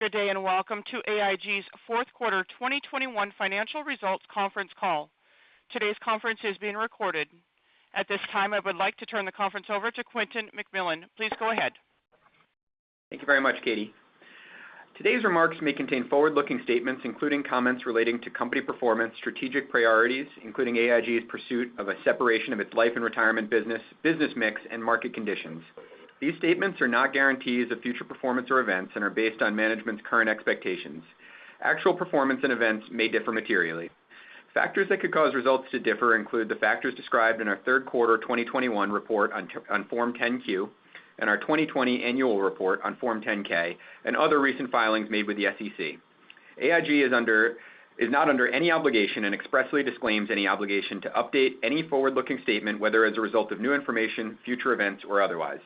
Good day, and welcome to AIG's fourth quarter 2021 financial results conference call. Today's conference is being recorded. At this time, I would like to turn the conference over to Quentin McMillan. Please go ahead. Thank you very much, Katie. Today's remarks may contain forward-looking statements, including comments relating to company performance, strategic priorities, including AIG's pursuit of a separation of its life and retirement business mix, and market conditions. These statements are not guarantees of future performance or events and are based on management's current expectations. Actual performance and events may differ materially. Factors that could cause results to differ include the factors described in our third quarter 2021 report on Form 10-Q and our 2020 annual report on Form 10-K and other recent filings made with the SEC. AIG is not under any obligation and expressly disclaims any obligation to update any forward-looking statement, whether as a result of new information, future events, or otherwise.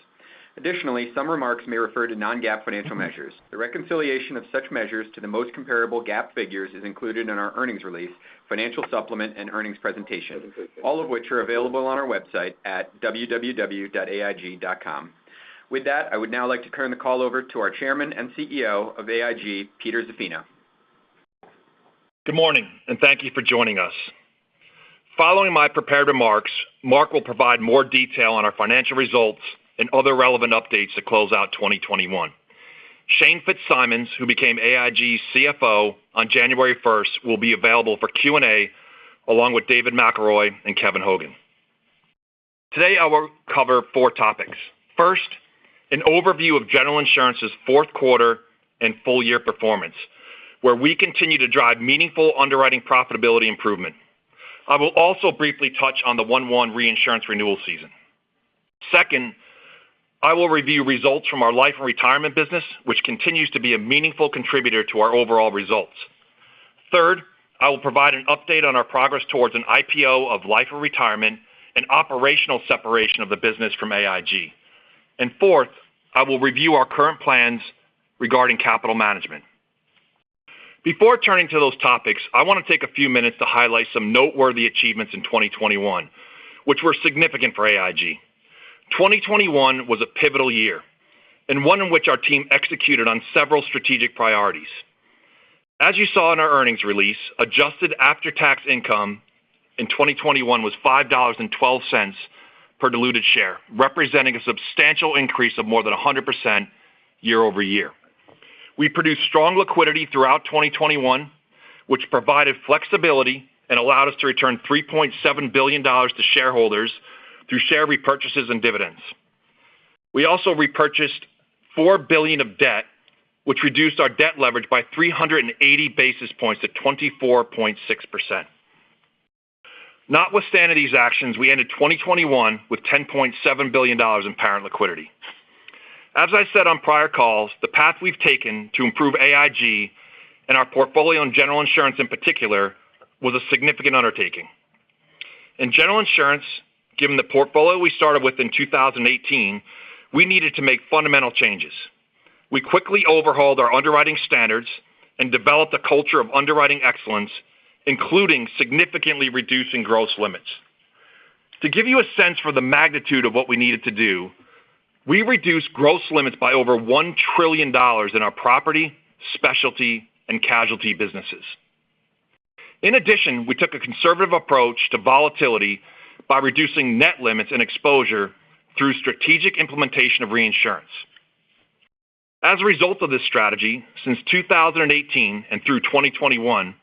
Additionally, some remarks may refer to non-GAAP financial measures. The reconciliation of such measures to the most comparable GAAP figures is included in our earnings release, financial supplement, and earnings presentation, all of which are available on our website at www.aig.com. With that, I would now like to turn the call over to our Chairman and CEO of AIG, Peter Zaffino. Good morning, and thank you for joining us. Following my prepared remarks, Mark will provide more detail on our financial results and other relevant updates to close out 2021. Shane Fitzsimons, who became AIG's CFO on January first, will be available for Q&A, along with David McElroy and Kevin Hogan. Today, I will cover four topics. First, an overview of General Insurance's fourth quarter and full-year performance, where we continue to drive meaningful underwriting profitability improvement. I will also briefly touch on the 1/1 reinsurance renewal season. Second, I will review results from our Life and Retirement business, which continues to be a meaningful contributor to our overall results. Third, I will provide an update on our progress towards an IPO of Life and Retirement and operational separation of the business from AIG. Fourth, I will review our current plans regarding capital management. Before turning to those topics, I want to take a few minutes to highlight some noteworthy achievements in 2021, which were significant for AIG. 2021 was a pivotal year and one in which our team executed on several strategic priorities. As you saw in our earnings release, adjusted after-tax income in 2021 was $5.12 per diluted share, representing a substantial increase of more than 100% year-over-year. We produced strong liquidity throughout 2021, which provided flexibility and allowed us to return $3.7 billion to shareholders through share repurchases and dividends. We also repurchased $4 billion of debt, which reduced our debt leverage by 380 basis points to 24.6%. Notwithstanding these actions, we ended 2021 with $10.7 billion in parent liquidity. As I said on prior calls, the path we've taken to improve AIG and our portfolio in General Insurance in particular, was a significant undertaking. In General Insurance, given the portfolio we started with in 2018, we needed to make fundamental changes. We quickly overhauled our underwriting standards and developed a culture of underwriting excellence, including significantly reducing gross limits. To give you a sense for the magnitude of what we needed to do, we reduced gross limits by over $1 trillion in our property, specialty, and casualty businesses. In addition, we took a conservative approach to volatility by reducing net limits and exposure through strategic implementation of reinsurance. As a result of this strategy, since 2018 and through 2021,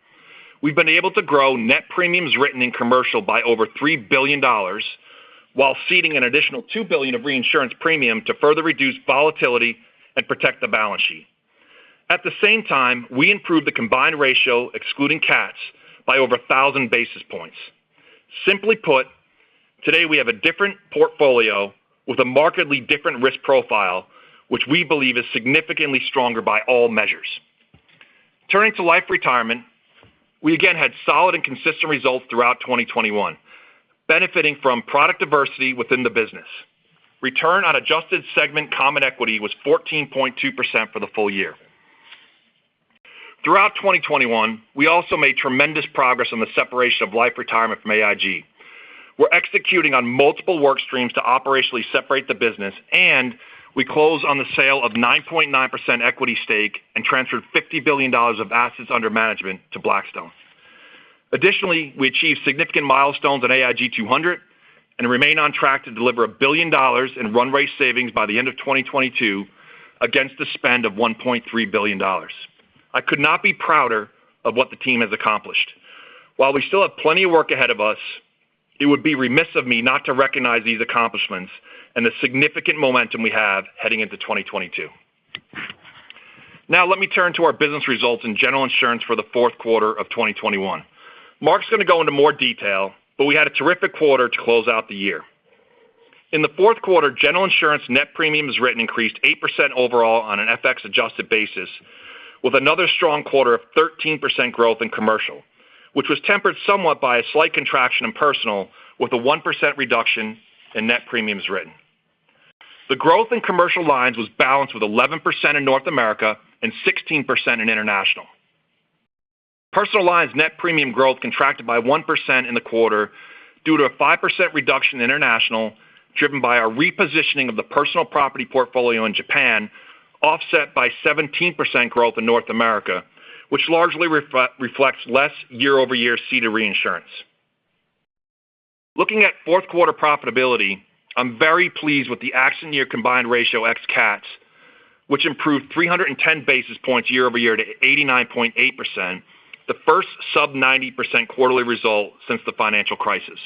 we've been able to grow net premiums written in commercial by over $3 billion, while ceding an additional $2 billion of reinsurance premium to further reduce volatility and protect the balance sheet. At the same time, we improved the combined ratio, excluding CATs, by over 1,000 basis points. Simply put, today we have a different portfolio with a markedly different risk profile, which we believe is significantly stronger by all measures. Turning to Life and Retirement, we again had solid and consistent results throughout 2021, benefiting from product diversity within the business. Return on adjusted segment common equity was 14.2% for the full year. Throughout 2021, we also made tremendous progress on the separation of Life and Retirement from AIG. We're executing on multiple work streams to operationally separate the business, and we closed on the sale of 9.9% equity stake and transferred $50 billion of assets under management to Blackstone. Additionally, we achieved significant milestones at AIG 200 and remain on track to deliver $1 billion in run rate savings by the end of 2022 against a spend of $1.3 billion. I could not be prouder of what the team has accomplished. While we still have plenty of work ahead of us, it would be remiss of me not to recognize these accomplishments and the significant momentum we have heading into 2022. Now let me turn to our business results in General Insurance for the fourth quarter of 2021. Mark's going to go into more detail, but we had a terrific quarter to close out the year. In the fourth quarter, General Insurance net premiums written increased 8% overall on an FX-adjusted basis, with another strong quarter of 13% growth in Commercial, which was tempered somewhat by a slight contraction in Personal, with a 1% reduction in net premiums written. The growth in Commercial lines was balanced with 11% in North America and 16% in International. Personal lines net premium growth contracted by 1% in the quarter due to a 5% reduction in International, driven by our repositioning of the personal property portfolio in Japan, offset by 17% growth in North America, which largely reflects less year-over-year ceded reinsurance. Looking at fourth quarter profitability, I'm very pleased with the accident year combined ratio ex cats, which improved 310 basis points year-over-year to 89.8%, the first sub-90% quarterly result since the financial crisis.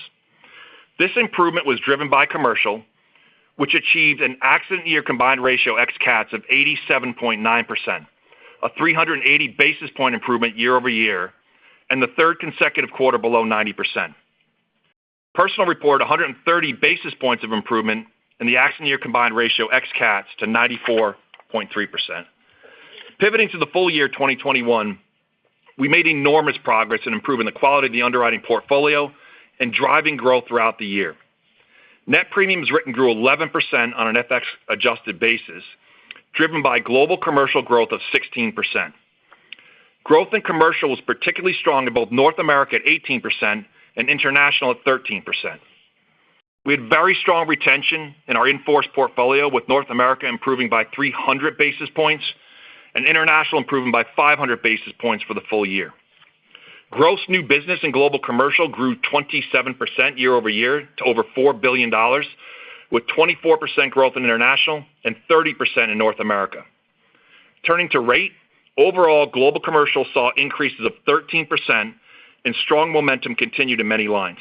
This improvement was driven by Commercial, which achieved an accident year combined ratio ex cats of 87.9%, a 380 basis point improvement year-over-year, and the third consecutive quarter below 90%. Personal reported 130 basis points of improvement in the accident year combined ratio ex cats to 94.3%. Pivoting to the full year 2021, we made enormous progress in improving the quality of the underwriting portfolio and driving growth throughout the year. Net premiums written grew 11% on an FX-adjusted basis, driven by Global Commercial growth of 16%. Growth in commercial was particularly strong in both North America at 18% and International at 13%. We had very strong retention in our in-force portfolio, with North America improving by 300 basis points and International improving by 500 basis points for the full year. Gross new business in Global Commercial grew 27% year-over-year to over $4 billion, with 24% growth in International and 30% in North America. Overall Global Commercial saw increases of 13% and strong momentum continued in many lines.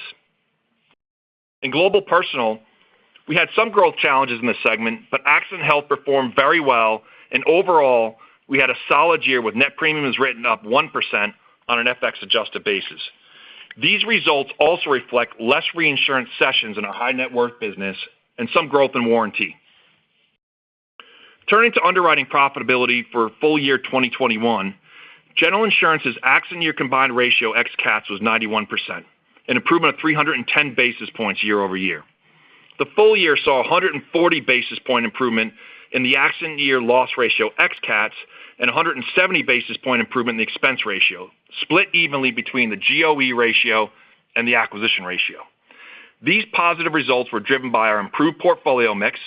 In Global Personal, we had some growth challenges in this segment, but accident health performed very well and overall, we had a solid year with net premiums written up 1% on an FX-adjusted basis. These results also reflect less reinsurance cessions in our high net worth business and some growth in warranty. Turning to underwriting profitability for full year 2021, General Insurance's accident year combined ratio ex CAT was 91%, an improvement of 310 basis points year-over-year. The full year saw a 140 basis point improvement in the accident year loss ratio ex CAT and a 170 basis point improvement in the expense ratio, split evenly between the GOE ratio and the acquisition ratio. These positive results were driven by our improved portfolio mix,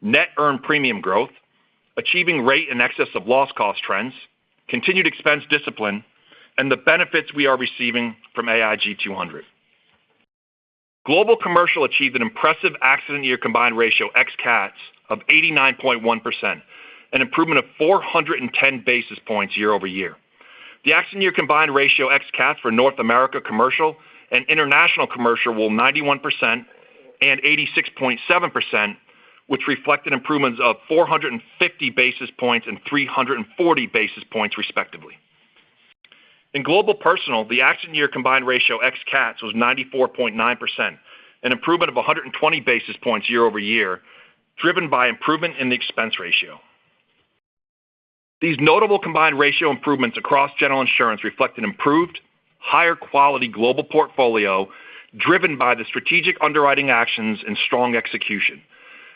net earned premium growth, achieving rate in excess of loss cost trends, continued expense discipline, and the benefits we are receiving from AIG 200. Global Commercial achieved an impressive accident year combined ratio ex CAT of 89.1%, an improvement of 410 basis points year-over-year. The accident year combined ratio ex-CATs for North America Commercial and International Commercial were 91% and 86.7%, which reflected improvements of 450 basis points and 340 basis points respectively. In Global Personal, the accident year combined ratio ex-CATs was 94.9%, an improvement of 120 basis points year-over-year, driven by improvement in the expense ratio. These notable combined ratio improvements across General Insurance reflect an improved, higher quality global portfolio driven by the strategic underwriting actions and strong execution,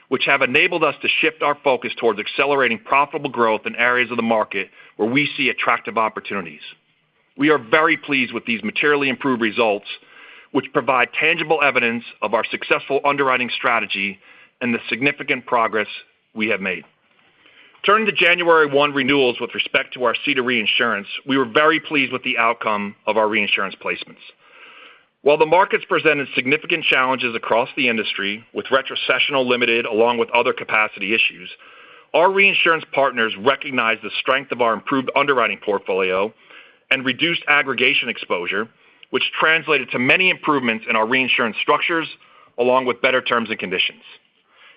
which have enabled us to shift our focus towards accelerating profitable growth in areas of the market where we see attractive opportunities. We are very pleased with these materially improved results, which provide tangible evidence of our successful underwriting strategy and the significant progress we have made. Turning to January 1 renewals with respect to our ceded reinsurance, we were very pleased with the outcome of our reinsurance placements. While the markets presented significant challenges across the industry, with retrocessional limited along with other capacity issues, our reinsurance partners recognized the strength of our improved underwriting portfolio and reduced aggregation exposure, which translated to many improvements in our reinsurance structures, along with better terms and conditions.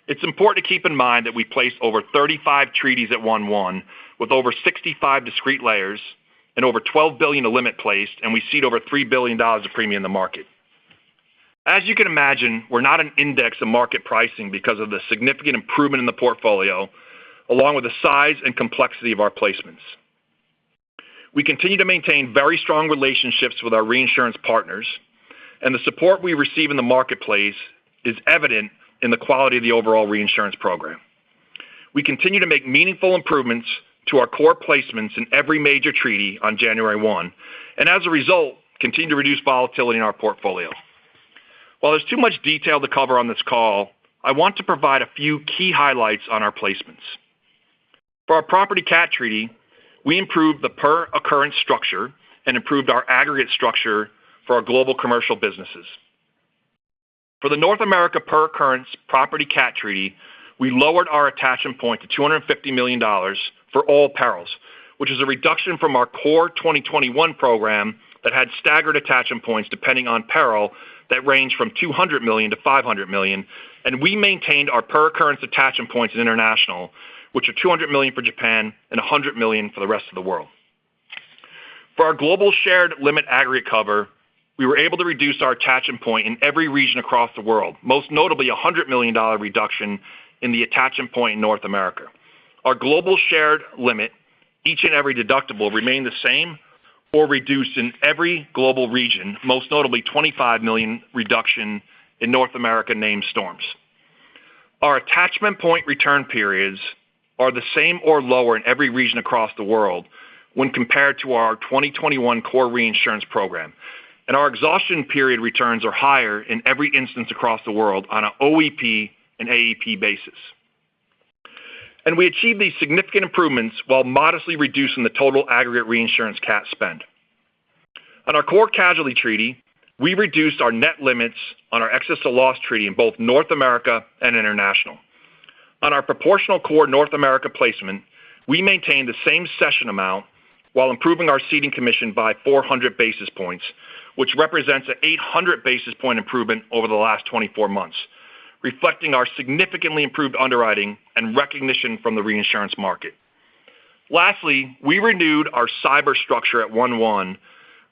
It's important to keep in mind that we placed over 35 treaties at 1/1, with over 65 discrete layers and over $12 billion of limit placed, and we ceded over $3 billion of premium in the market. As you can imagine, we're not an index of market pricing because of the significant improvement in the portfolio, along with the size and complexity of our placements. We continue to maintain very strong relationships with our reinsurance partners, and the support we receive in the marketplace is evident in the quality of the overall reinsurance program. We continue to make meaningful improvements to our core placements in every major treaty on January 1, and as a result, continue to reduce volatility in our portfolio. While there's too much detail to cover on this call, I want to provide a few key highlights on our placements. For our property cat treaty, we improved the per occurrence structure and improved our aggregate structure for our Global Commercial businesses. For the North America per occurrence property cat treaty, we lowered our attachment point to $250 million for all perils, which is a reduction from our core 2021 program that had staggered attachment points depending on peril that ranged from $200 million-$500 million, and we maintained our per occurrence attachment points in international, which are $200 million for Japan and $100 million for the rest of the world. For our global shared limit aggregate cover, we were able to reduce our attachment point in every region across the world, most notably $100 million reduction in the attachment point in North America. Our global shared limit, each and every deductible remained the same or reduced in every global region, most notably $25 million reduction in North America named storms. Our attachment point return periods are the same or lower in every region across the world when compared to our 2021 core reinsurance program, and our exhaustion period returns are higher in every instance across the world on an OEP and AEP basis. We achieved these significant improvements while modestly reducing the total aggregate reinsurance CAT spend. On our core casualty treaty, we reduced our net limits on our excess of loss treaty in both North America and International. On our proportional core North America placement, we maintained the same cession amount while improving our ceding commission by 400 basis points, which represents an 800 basis point improvement over the last 24 months, reflecting our significantly improved underwriting and recognition from the reinsurance market. Lastly, we renewed our cyber structure at 1/1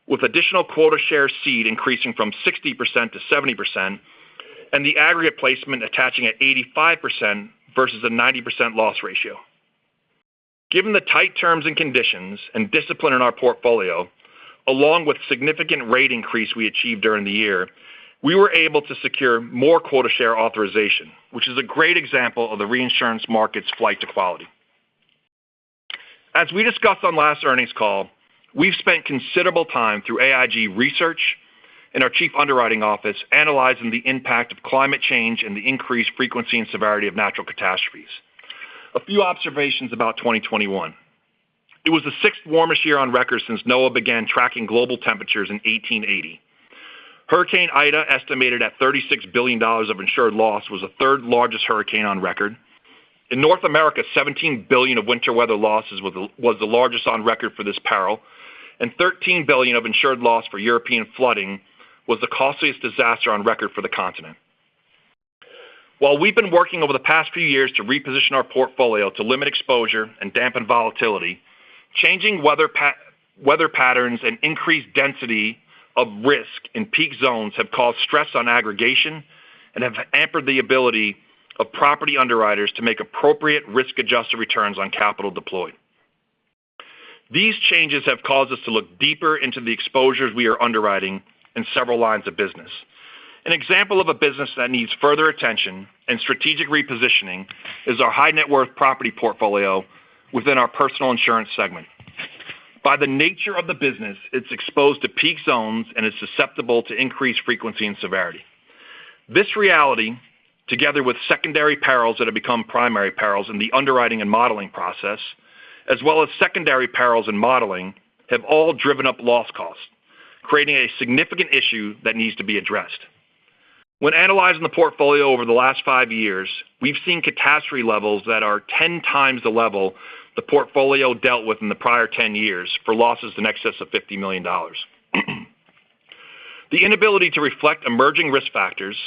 with additional quota share ceded increasing from 60%-70% and the aggregate placement attaching at 85% versus a 90% loss ratio. Given the tight terms and conditions and discipline in our portfolio, along with significant rate increase we achieved during the year, we were able to secure more quota share authorization, which is a great example of the reinsurance market's flight to quality. As we discussed on last earnings call, we've spent considerable time through AIG research and our chief underwriting office analyzing the impact of climate change and the increased frequency and severity of natural catastrophes. A few observations about 2021. It was the sixth warmest year on record since NOAA began tracking global temperatures in 1880. Hurricane Ida, estimated at $36 billion of insured loss, was the third-largest hurricane on record. In North America, $17 billion of winter weather losses was the largest on record for this peril, and $13 billion of insured loss for European flooding was the costliest disaster on record for the continent. While we've been working over the past few years to reposition our portfolio to limit exposure and dampen volatility, changing weather patterns and increased density of risk in peak zones have caused stress on aggregation and have hampered the ability of property underwriters to make appropriate risk-adjusted returns on capital deployed. These changes have caused us to look deeper into the exposures we are underwriting in several lines of business. An example of a business that needs further attention and strategic repositioning is our high net worth property portfolio within our personal insurance segment. By the nature of the business, it's exposed to peak zones and is susceptible to increased frequency and severity. This reality, together with secondary perils that have become primary perils in the underwriting and modeling process, as well as secondary perils in modeling, have all driven up loss costs, creating a significant issue that needs to be addressed. When analyzing the portfolio over the last five years, we've seen catastrophe levels that are 10x the level the portfolio dealt with in the prior 10 years for losses in excess of $50 million. The inability to reflect emerging risk factors,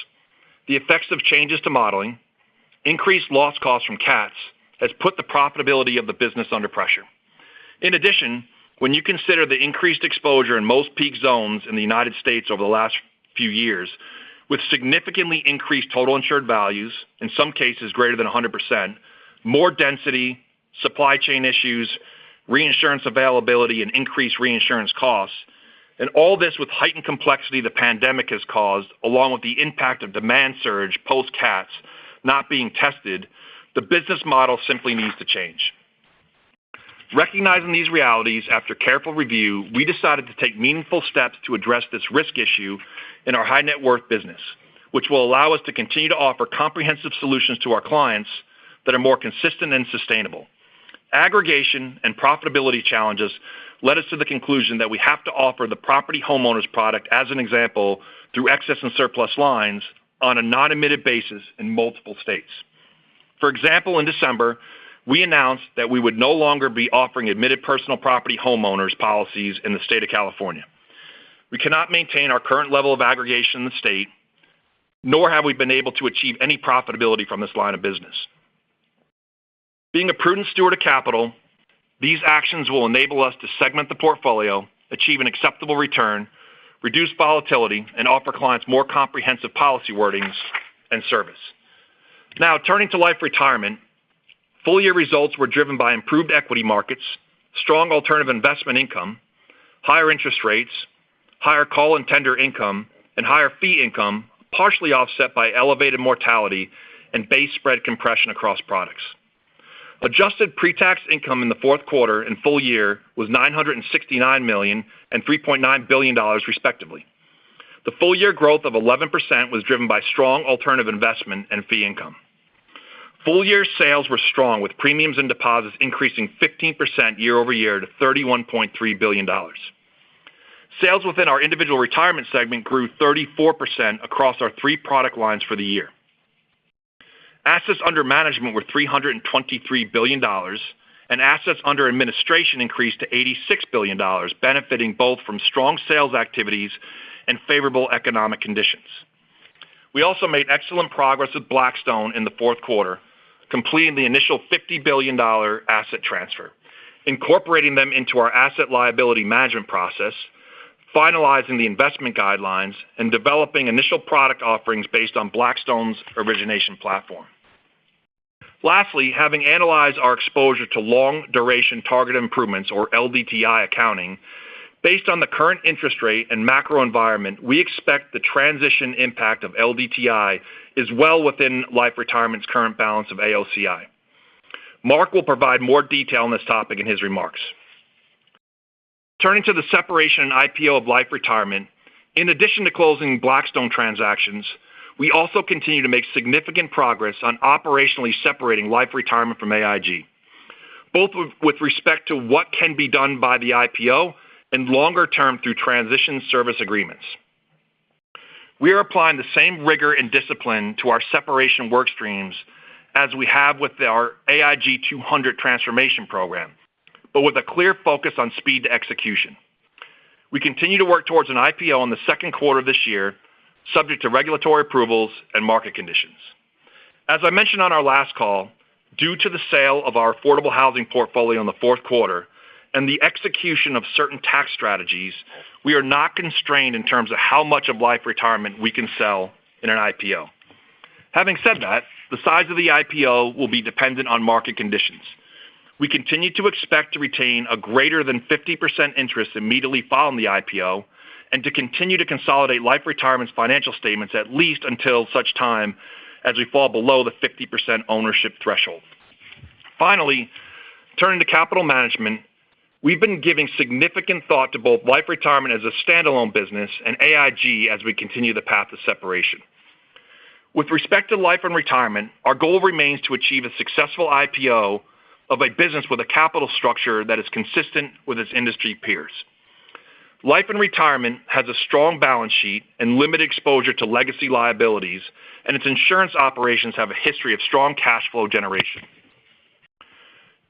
the effects of changes to modeling, increased loss costs from cats, has put the profitability of the business under pressure. In addition, when you consider the increased exposure in most peak zones in the United States over the last few years, with significantly increased total insured values, in some cases greater than 100%, more density, supply chain issues, reinsurance availability, and increased reinsurance costs, and all this with heightened complexity the pandemic has caused, along with the impact of demand surge post-cats not being tested, the business model simply needs to change. Recognizing these realities after careful review, we decided to take meaningful steps to address this risk issue in our high net worth business, which will allow us to continue to offer comprehensive solutions to our clients that are more consistent and sustainable. Aggregation and profitability challenges led us to the conclusion that we have to offer the property homeowners product as an example through excess and surplus lines on a non-admitted basis in multiple states. For example, in December, we announced that we would no longer be offering admitted personal property homeowners policies in the state of California. We cannot maintain our current level of aggregation in the state, nor have we been able to achieve any profitability from this line of business. Being a prudent steward of capital, these actions will enable us to segment the portfolio, achieve an acceptable return, reduce volatility, and offer clients more comprehensive policy wordings and service. Now, turning to life retirement, full-year results were driven by improved equity markets, strong alternative investment income, higher interest rates, higher call and tender income, and higher fee income, partially offset by elevated mortality and base spread compression across products. Adjusted pre-tax income in the fourth quarter and full year was $969 million and $3.9 billion, respectively. The full-year growth of 11% was driven by strong alternative investment and fee income. Full-year sales were strong, with premiums and deposits increasing 15% year-over-year to $31.3 billion. Sales within our Individual Retirement segment grew 34% across our three product lines for the year. Assets under management were $323 billion, and assets under administration increased to $86 billion, benefiting both from strong sales activities and favorable economic conditions. We also made excellent progress with Blackstone in the fourth quarter, completing the initial $50 billion asset transfer, incorporating them into our asset liability management process, finalizing the investment guidelines, and developing initial product offerings based on Blackstone's origination platform. Lastly, having analyzed our exposure to Long-Duration Targeted Improvements or LDTI accounting, based on the current interest rate and macro environment, we expect the transition impact of LDTI is well within Life & Retirement's current balance of AOCI. Mark will provide more detail on this topic in his remarks. Turning to the separation and IPO of Life & Retirement, in addition to closing Blackstone transactions, we also continue to make significant progress on operationally separating Life & Retirement from AIG, both with respect to what can be done by the IPO and longer-term through transition service agreements. We are applying the same rigor and discipline to our separation work streams as we have with our AIG 200 transformation program, but with a clear focus on speed to execution. We continue to work towards an IPO in the second quarter of this year, subject to regulatory approvals and market conditions. As I mentioned on our last call, due to the sale of our affordable housing portfolio in the fourth quarter and the execution of certain tax strategies, we are not constrained in terms of how much of Life and Retirement we can sell in an IPO. Having said that, the size of the IPO will be dependent on market conditions. We continue to expect to retain a greater than 50% interest immediately following the IPO and to continue to consolidate Life and Retirement's financial statements at least until such time as we fall below the 50% ownership threshold. Finally, turning to capital management, we've been giving significant thought to both Life and Retirement as a standalone business and AIG as we continue the path of separation. With respect to Life and Retirement, our goal remains to achieve a successful IPO of a business with a capital structure that is consistent with its industry peers. Life and Retirement has a strong balance sheet and limited exposure to legacy liabilities, and its insurance operations have a history of strong cash flow generation.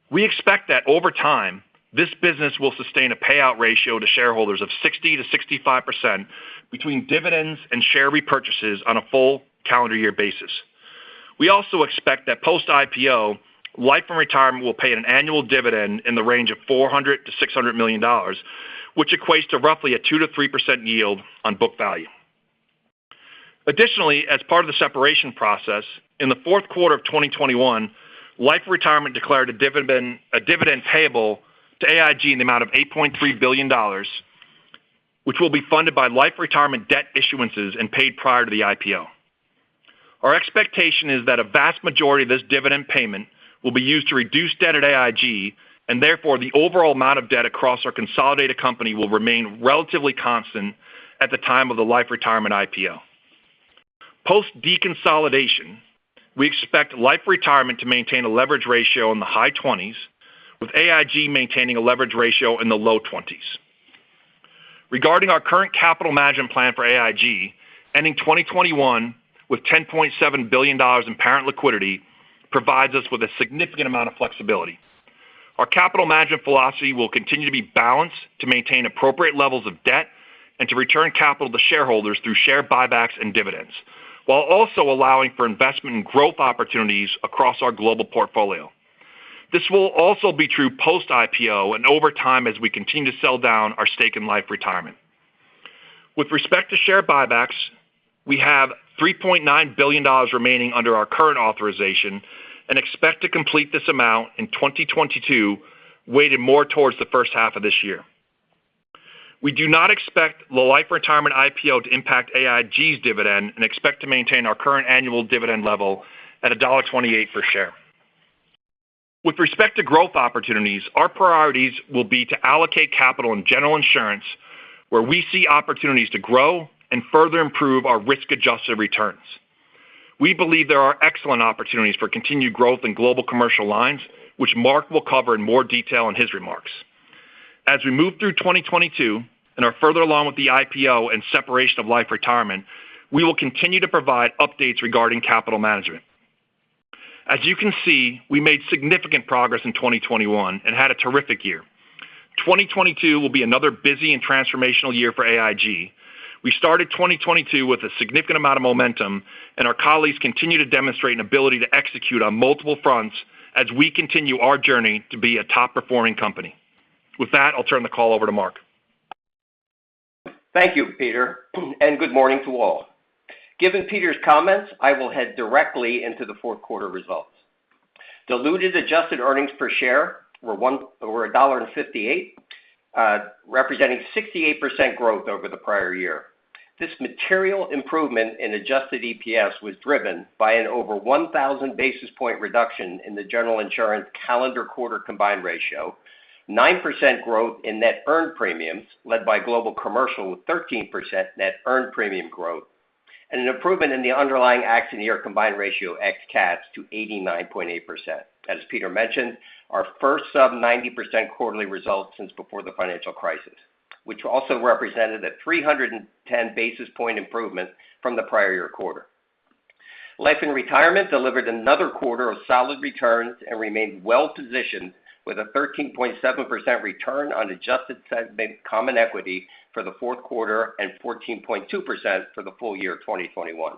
We expect that over time, this business will sustain a payout ratio to shareholders of 60%-65% between dividends and share repurchases on a full calendar year basis. We also expect that post-IPO, Life and Retirement will pay an annual dividend in the range of $400 million-$600 million, which equates to roughly a 2%-3% yield on book value. Additionally, as part of the separation process, in the fourth quarter of 2021, Life and Retirement declared a dividend payable to AIG in the amount of $8.3 billion, which will be funded by Life and Retirement debt issuances and paid prior to the IPO. Our expectation is that a vast majority of this dividend payment will be used to reduce debt at AIG, and therefore, the overall amount of debt across our consolidated company will remain relatively constant at the time of the Life and Retirement IPO. Post deconsolidation, we expect Life & Retirement to maintain a leverage ratio in the high twenties, with AIG maintaining a leverage ratio in the low twenties. Regarding our current capital management plan for AIG, ending 2021 with $10.7 billion in parent liquidity provides us with a significant amount of flexibility. Our capital management philosophy will continue to be balanced to maintain appropriate levels of debt and to return capital to shareholders through share buybacks and dividends, while also allowing for investment in growth opportunities across our global portfolio. This will also be true post-IPO and over time as we continue to sell down our stake in Life & Retirement. With respect to share buybacks, we have $3.9 billion remaining under our current authorization and expect to complete this amount in 2022, weighted more towards the first half of this year. We do not expect the Life & Retirement IPO to impact AIG's dividend and expect to maintain our current annual dividend level at $1.28 per share. With respect to growth opportunities, our priorities will be to allocate capital in General Insurance, where we see opportunities to grow and further improve our risk-adjusted returns. We believe there are excellent opportunities for continued growth in Global Commercial lines, which Mark will cover in more detail in his remarks. As we move through 2022 and are further along with the IPO and separation of Life & Retirement, we will continue to provide updates regarding capital management. As you can see, we made significant progress in 2021 and had a terrific year. 2022 will be another busy and transformational year for AIG. We started 2022 with a significant amount of momentum and our colleagues continue to demonstrate an ability to execute on multiple fronts as we continue our journey to be a top-performing company. With that, I'll turn the call over to Mark. Thank you, Peter, and good morning to all. Given Peter's comments, I will head directly into the fourth quarter results. Diluted adjusted earnings per share were $1.58, representing 68% growth over the prior year. This material improvement in adjusted EPS was driven by an over 1,000 basis point reduction in the General Insurance calendar quarter combined ratio, 9% growth in net earned premiums, led by Global Commercial with 13% net earned premium growth, and an improvement in the underlying accident year combined ratio ex CATs to 89.8%. As Peter mentioned, our first sub 90% quarterly result since before the financial crisis, which also represented a 310 basis point improvement from the prior year quarter. Life and Retirement delivered another quarter of solid returns and remained well-positioned with a 13.7% return on adjusted segment common equity for the fourth quarter and 14.2% for the full year of 2021.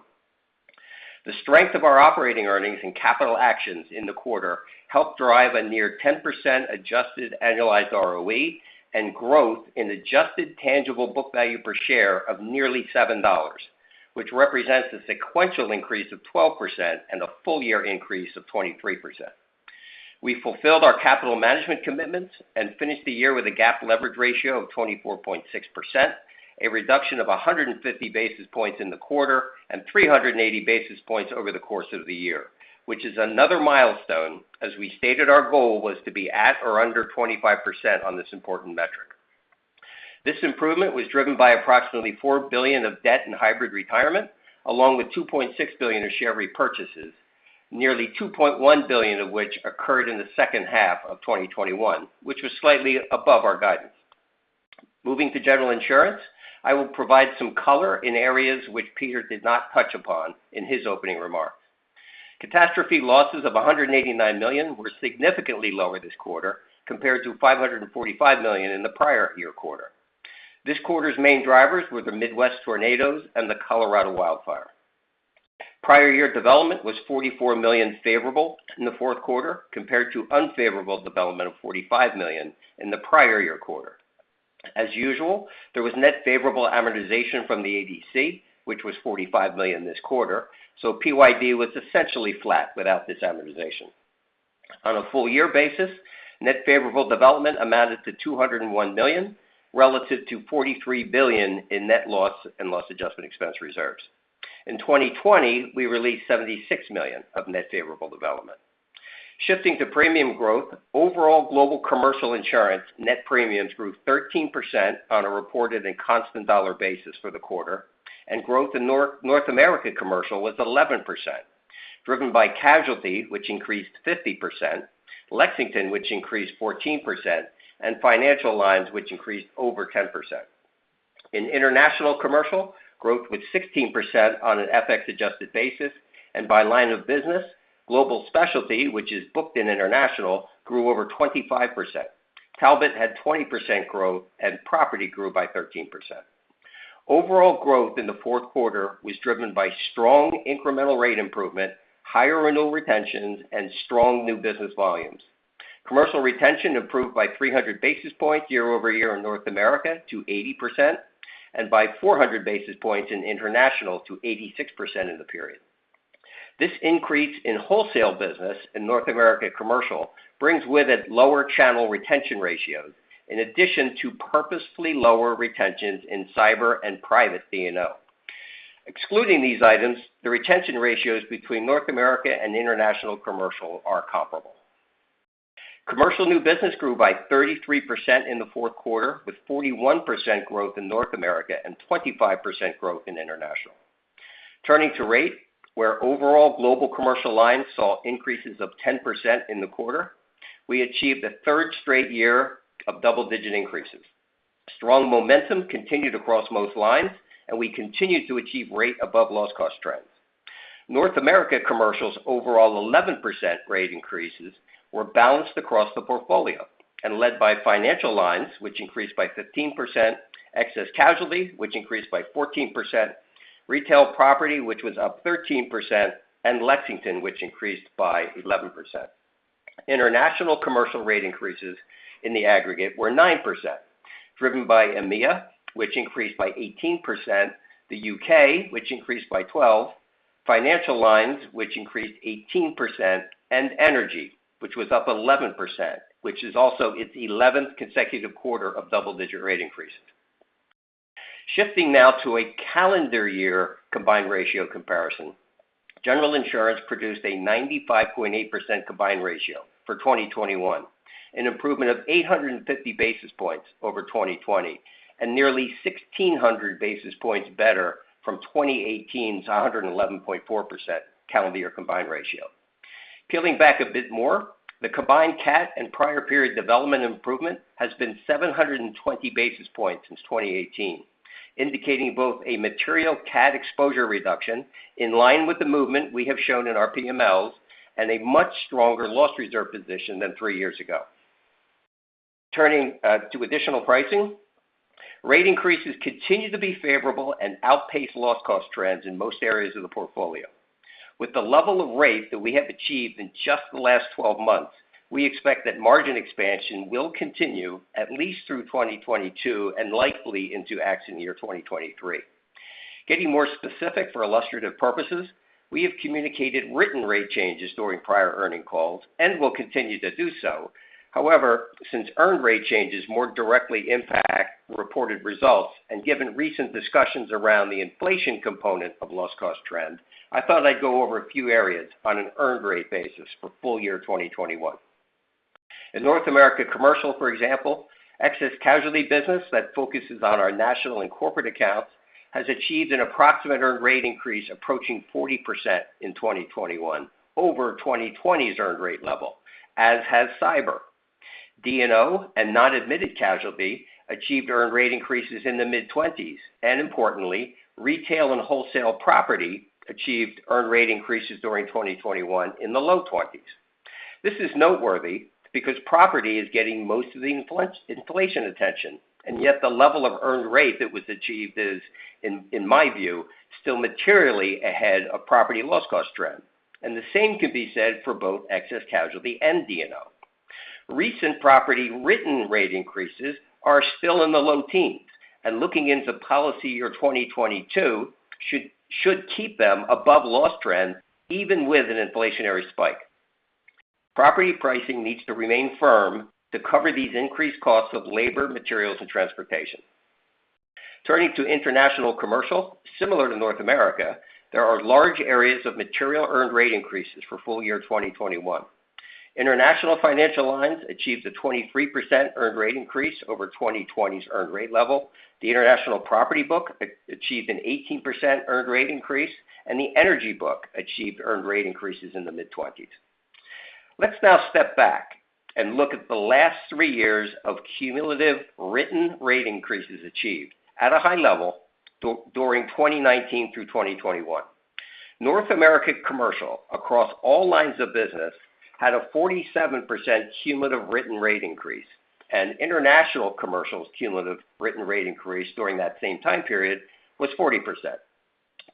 The strength of our operating earnings and capital actions in the quarter helped drive a near 10% adjusted annualized ROE and growth in adjusted tangible book value per share of nearly $7, which represents a sequential increase of 12% and a full year increase of 23%. We fulfilled our capital management commitments and finished the year with a GAAP leverage ratio of 24.6%, a reduction of 150 basis points in the quarter and 380 basis points over the course of the year, which is another milestone, as we stated our goal was to be at or under 25% on this important metric. This improvement was driven by approximately $4 billion of debt and hybrid retirement, along with $2.6 billion of share repurchases, nearly $2.1 billion of which occurred in the second half of 2021, which was slightly above our guidance. Moving to General Insurance, I will provide some color in areas which Peter did not touch upon in his opening remarks. Catastrophe losses of $189 million were significantly lower this quarter compared to $545 million in the prior year quarter. This quarter's main drivers were the Midwest tornadoes and the Colorado wildfire. Prior year development was $44 million favorable in the fourth quarter compared to unfavorable development of $45 million in the prior year quarter. As usual, there was net favorable amortization from the ADC, which was $45 million this quarter, so PYD was essentially flat without this amortization. On a full year basis, net favorable development amounted to $201 million, relative to $43 billion in net loss and loss adjustment expense reserves. In 2020, we released $76 million of net favorable development. Shifting to premium growth, overall Global Commercial insurance net premiums grew 13% on a reported and constant dollar basis for the quarter, and growth in North America Commercial was 11%, driven by casualty, which increased 50%, Lexington, which increased 14%, and Financial Lines, which increased over 10%. In International Commercial, growth was 16% on an FX-adjusted basis, and by line of business, Global Specialty, which is booked in international, grew over 25%. Talbot had 20% growth, and property grew by 13%. Overall growth in the fourth quarter was driven by strong incremental rate improvement, higher renewal retentions, and strong new business volumes. Commercial retention improved by 300 basis points year-over-year in North America to 80% and by 400 basis points in International to 86% in the period. This increase in wholesale business in North America Commercial brings with it lower channel retention ratios in addition to purposefully lower retentions in cyber and private D&O. Excluding these items, the retention ratios between North America and International Commercial are comparable. Commercial new business grew by 33% in the fourth quarter, with 41% growth in North America and 25% growth in International. Turning to rate, where overall global commercial lines saw increases of 10% in the quarter, we achieved a third straight year of double-digit increases. Strong momentum continued across most lines, and we continued to achieve rate above loss cost trends. North America Commercial overall 11% rate increases were balanced across the portfolio and led by Financial Lines, which increased by 15%, Excess Casualty, which increased by 14%, retail property, which was up 13%, and Lexington, which increased by 11%. International Commercial rate increases in the aggregate were 9%, driven by EMEA, which increased by 18%, the U.K., which increased by 12%, Financial Lines, which increased 18%, and energy, which was up 11%, which is also its 11th consecutive quarter of double-digit rate increases. Shifting now to a calendar year combined ratio comparison, General Insurance produced a 95.8% combined ratio for 2021, an improvement of 850 basis points over 2020 and nearly 1,600 basis points better from 2018's a 111.4% calendar year combined ratio. Peeling back a bit more, the combined CAT and prior period development improvement has been 720 basis points since 2018, indicating both a material CAT exposure reduction in line with the movement we have shown in our PMLs and a much stronger loss reserve position than three years ago. Turning to additional pricing, rate increases continue to be favorable and outpace loss cost trends in most areas of the portfolio. With the level of rate that we have achieved in just the last 12 months, we expect that margin expansion will continue at least through 2022 and likely into accident year 2023. Getting more specific for illustrative purposes, we have communicated written rate changes during prior earnings calls and will continue to do so. However, since earned rate changes more directly impact reported results and given recent discussions around the inflation component of loss cost trend, I thought I'd go over a few areas on an earned rate basis for full year 2021. In North America Commercial, for example, Excess Casualty business that focuses on our national and corporate accounts has achieved an approximate earned rate increase approaching 40% in 2021 over 2020's earned rate level, as has cyber. D&O and non-admitted casualty achieved earned rate increases in the mid-20s, and importantly, retail and wholesale property achieved earned rate increases during 2021 in the low 20s. This is noteworthy because property is getting most of the inflation attention, and yet the level of earned rate that was achieved is, in my view, still materially ahead of property loss cost trend. The same can be said for both Excess Casualty and D&O. Recent Property written rate increases are still in the low teens, and looking into policy year 2022 should keep them above loss trend even with an inflationary spike. Property pricing needs to remain firm to cover these increased costs of labor, materials, and transportation. Turning to International Commercial, similar to North America, there are large areas of material earned rate increases for full year 2021. International Financial Lines achieved a 23% earned rate increase over 2020's earned rate level. The International Property book achieved an 18% earned rate increase, and the energy book achieved earned rate increases in the mid-20s. Let's now step back and look at the last three years of cumulative written rate increases achieved at a high level during 2019 through 2021. North America Commercial, across all lines of business, had a 47% cumulative written rate increase, and International Commercial's cumulative written rate increase during that same time period was 40%.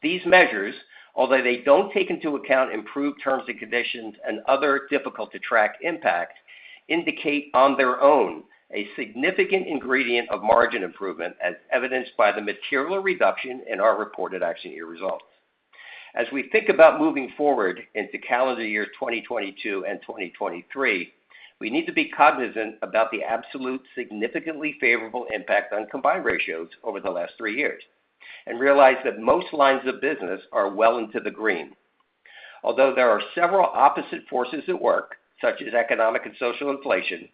These measures, although they don't take into account improved terms and conditions and other difficult-to-track impacts, indicate on their own a significant ingredient of margin improvement as evidenced by the material reduction in our reported accident year results. As we think about moving forward into calendar year 2022 and 2023, we need to be cognizant about the absolute significantly favorable impact on combined ratios over the last three years and realize that most lines of business are well into the green. Although there are several opposite forces at work, such as economic and social inflation,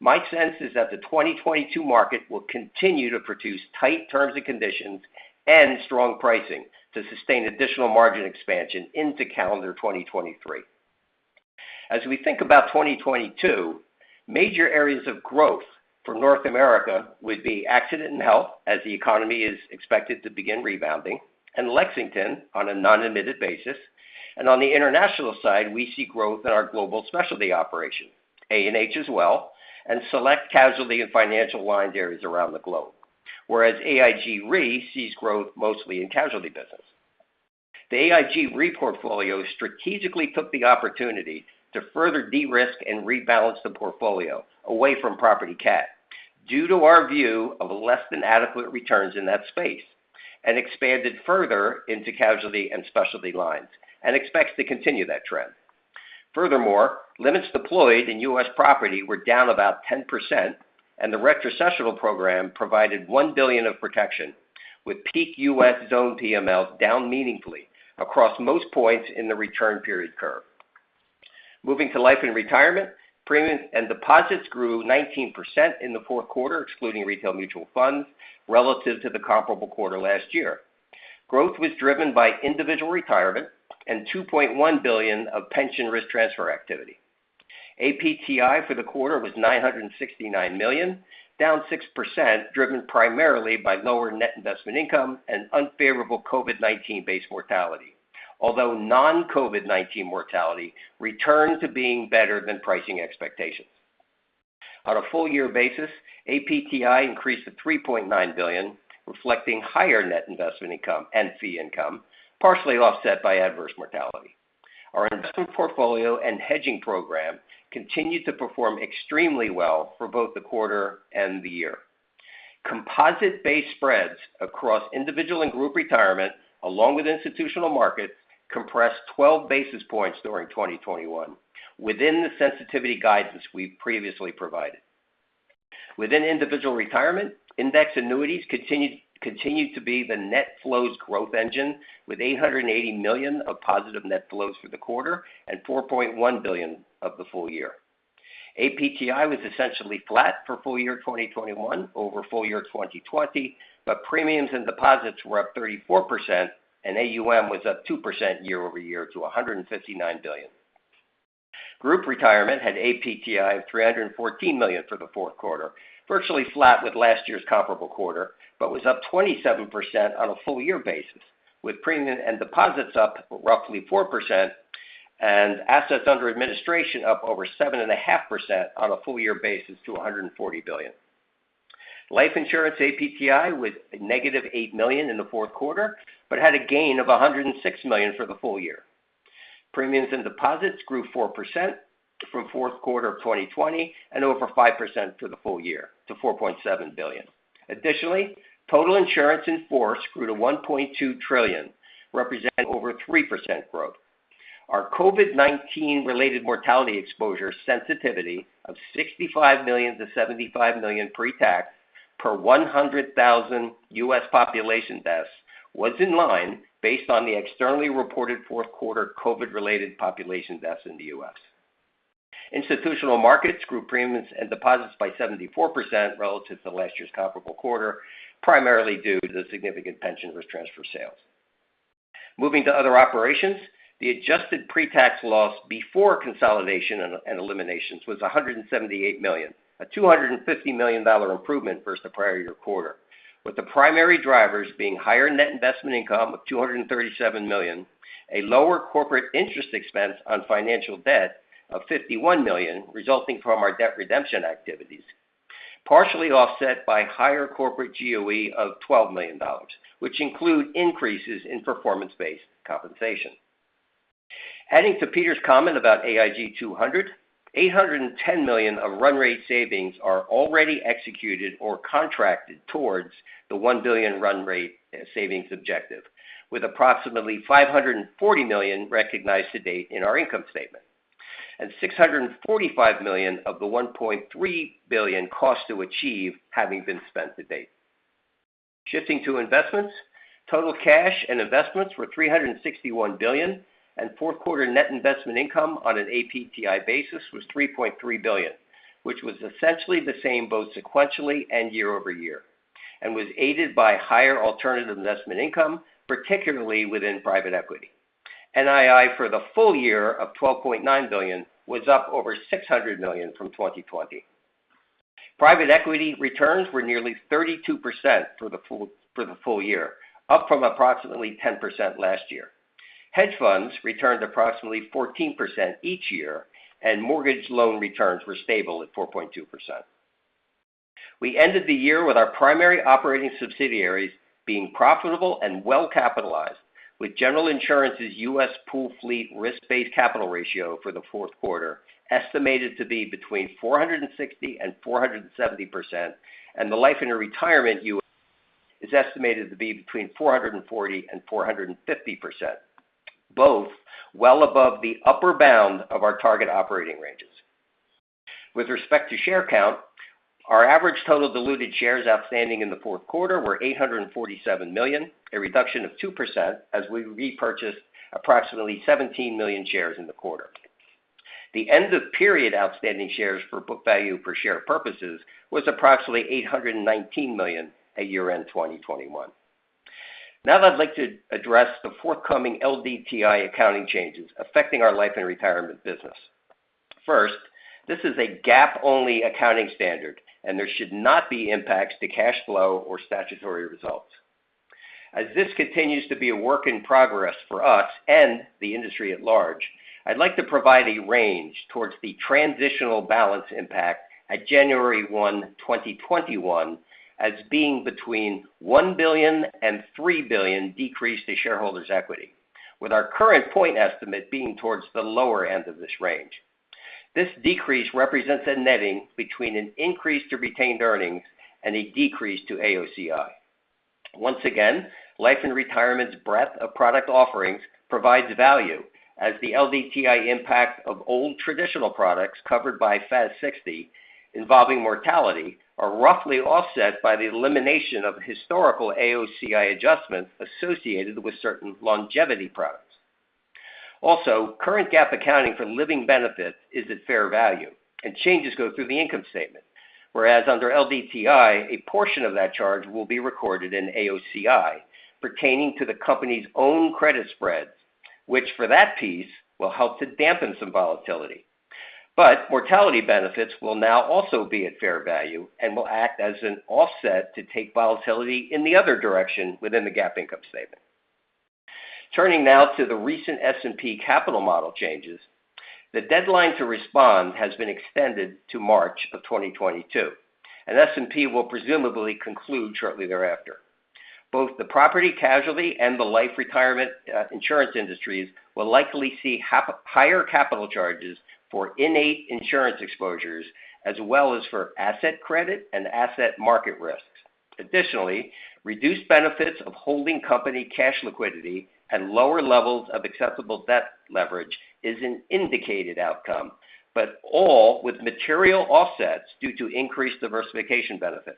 my sense is that the 2022 market will continue to produce tight terms and conditions and strong pricing to sustain additional margin expansion into calendar 2023. As we think about 2022, major areas of growth for North America would be accident and health as the economy is expected to begin rebounding, and Lexington on a non-admitted basis. On the international side, we see growth in our global specialty operation, A&H as well, and select casualty and financial lines areas around the globe. Whereas AIG Re sees growth mostly in casualty business. The AIG Re portfolio strategically took the opportunity to further de-risk and rebalance the portfolio away from property cat due to our view of less than adequate returns in that space, and expanded further into casualty and specialty lines, and expects to continue that trend. Furthermore, limits deployed in U.S. property were down about 10%, and the retrocessional program provided $1 billion of protection, with peak U.S. zone PML down meaningfully across most points in the return period curve. Moving to Life and Retirement, premiums and deposits grew 19% in the fourth quarter, excluding retail mutual funds, relative to the comparable quarter last year. Growth was driven by Individual Retirement and $2.1 billion of pension risk transfer activity. APTI for the quarter was $969 million, down 6%, driven primarily by lower net investment income and unfavorable COVID-19 base mortality. Although non-COVID-19 mortality returned to being better than pricing expectations. On a full-year basis, APTI increased to $3.9 billion, reflecting higher net investment income and fee income, partially offset by adverse mortality. Our investment portfolio and hedging program continued to perform extremely well for both the quarter and the year. Composite-based spreads across Individual and Group Retirement, along with Institutional Markets, compressed 12 basis points during 2021 within the sensitivity guidance we previously provided. Within Individual Retirement, index annuities continued to be the net flows growth engine with $880 million of positive net flows for the quarter and $4.1 billion for the full year. APTI was essentially flat for full year 2021 over full year 2020, but premiums and deposits were up 34% and AUM was up 2% year-over-year to $159 billion. Group Retirement had APTI of $314 million for the fourth quarter, virtually flat with last year's comparable quarter, but was up 27% on a full year basis, with premiums and deposits up roughly 4% and assets under administration up over 7.5% on a full year basis to $140 billion. Life Insurance APTI was $-8 million in the fourth quarter, but had a gain of $106 million for the full year. Premiums and deposits grew 4% from fourth quarter of 2020 and over 5% for the full year to $4.7 billion. Additionally, total insurance in force grew to $1.2 trillion, representing over 3% growth. Our COVID-19 related mortality exposure sensitivity of $65 million-$75 million pre-tax per 100,000 U.S. population deaths was in line based on the externally reported fourth quarter COVID-related population deaths in the U.S. Institutional Markets grew premiums and deposits by 74% relative to last year's comparable quarter, primarily due to the significant pension risk transfer sales. Moving to other operations, the adjusted pre-tax loss before consolidation and eliminations was $178 million, a $250 million improvement versus the prior year quarter, with the primary drivers being higher net investment income of $237 million, a lower corporate interest expense on financial debt of $51 million resulting from our debt redemption activities. Partially offset by higher corporate GOE of $12 million, which include increases in performance-based compensation. Adding to Peter's comment about AIG 200, $810 million of run rate savings are already executed or contracted towards the $1 billion run rate savings objective, with approximately $540 million recognized to date in our income statement, and $645 million of the $1.3 billion cost to achieve having been spent to date. Shifting to investments. Total cash and investments were $361 billion, and fourth quarter net investment income on an APTI basis was $3.3 billion, which was essentially the same both sequentially and year-over-year, and was aided by higher alternative investment income, particularly within private equity. NII for the full year of $12.9 billion was up over $600 million from 2020. Private equity returns were nearly 32% for the full year, up from approximately 10% last year. Hedge funds returned approximately 14% each year, and mortgage loan returns were stable at 4.2%. We ended the year with our primary operating subsidiaries being profitable and well capitalized with General Insurance's U.S. pool fleet risk-based capital ratio for the fourth quarter estimated to be between 460% and 470%, and the Life and Retirement U.S. is estimated to be between 440% and 450%, both well above the upper bound of our target operating ranges. With respect to share count, our average total diluted shares outstanding in the fourth quarter were 847 million shares, a reduction of 2% as we repurchased approximately 17 million shares in the quarter. The end of period outstanding shares for book value per share purposes was approximately 819 million shares at year-end 2021. Now, I'd like to address the forthcoming LDTI accounting changes affecting our Life and Retirement business. First, this is a GAAP-only accounting standard, and there should not be impacts to cash flow or statutory results. As this continues to be a work in progress for us and the industry at large, I'd like to provide a range towards the transitional balance impact at January 1, 2021, as being between $1 billion and $3 billion decrease to shareholders' equity, with our current point estimate being towards the lower end of this range. This decrease represents a netting between an increase to retained earnings and a decrease to AOCI. Once again, Life and Retirement's breadth of product offerings provides value as the LDTI impact of old traditional products covered by FAS 60 involving mortality are roughly offset by the elimination of historical AOCI adjustments associated with certain longevity products. Also, current GAAP accounting for living benefits is at fair value and changes go through the income statement. Whereas under LDTI, a portion of that charge will be recorded in AOCI pertaining to the company's own credit spreads, which for that piece will help to dampen some volatility. Mortality benefits will now also be at fair value and will act as an offset to take volatility in the other direction within the GAAP income statement. Turning now to the recent S&P capital model changes. The deadline to respond has been extended to March 2022, and S&P will presumably conclude shortly thereafter. Both the property-casualty and the Life and Retirement insurance industries will likely see higher capital charges for annuity insurance exposures as well as for asset credit and asset market risks. Additionally, reduced benefits of holding company cash liquidity and lower levels of acceptable debt leverage is an indicated outcome, but all with material offsets due to increased diversification benefits.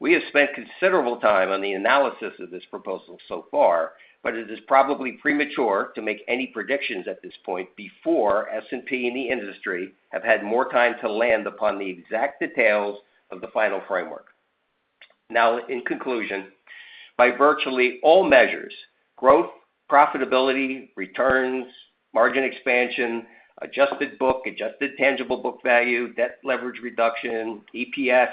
We have spent considerable time on the analysis of this proposal so far, but it is probably premature to make any predictions at this point before S&P and the industry have had more time to land upon the exact details of the final framework. Now, in conclusion, by virtually all measures, growth, profitability, returns, margin expansion, adjusted book, adjusted tangible book value, debt leverage reduction, EPS,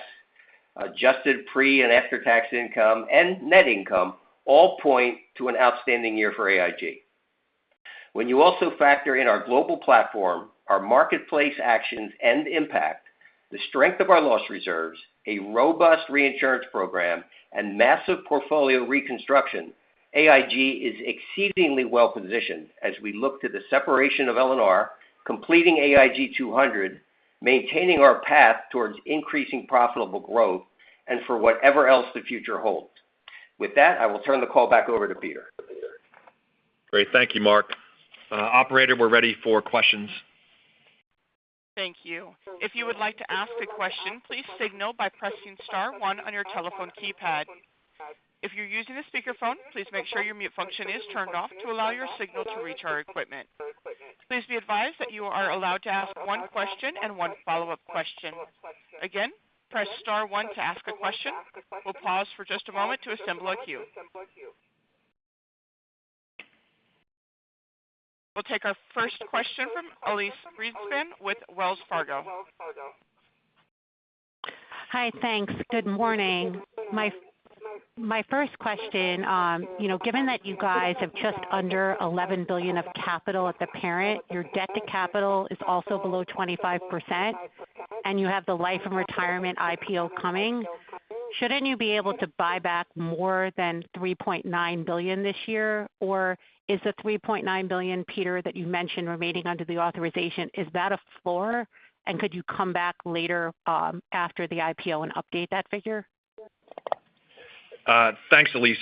adjusted pre and after-tax income, and net income all point to an outstanding year for AIG. When you also factor in our global platform, our marketplace actions and impact, the strength of our loss reserves, a robust reinsurance program, and massive portfolio reconstruction, AIG is exceedingly well-positioned as we look to the separation of L&R, completing AIG 200, maintaining our path towards increasing profitable growth and for whatever else the future holds. With that, I will turn the call back over to Peter. Great. Thank you, Mark. Operator, we're ready for questions. Thank you. If you would like to ask a question, please signal by pressing star one on your telephone keypad. If you're using a speakerphone, please make sure your mute function is turned off to allow your signal to reach our equipment. Please be advised that you are allowed to ask one question and one follow-up question. Again, press star one to ask a question. We'll pause for just a moment to assemble a queue. We'll take our first question from Elyse Greenspan with Wells Fargo. Hi. Thanks. Good morning. My first question, you know, given that you guys have just under $11 billion of capital at the parent, your debt to capital is also below 25% and you have the Life and Retirement IPO coming, shouldn't you be able to buyback more than $3.9 billion this year? Or is the $3.9 billion, Peter, that you mentioned remaining under the authorization, is that a floor? Could you come back later, after the IPO and update that figure? Thanks, Elyse,